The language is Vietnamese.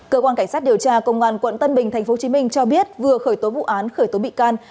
cơ quan cảnh sát điều tra công an quận tân bình tp hcm cho biết vừa khởi tố vụ án khởi tố bị can